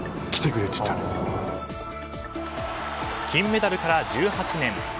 金メダルから１８年。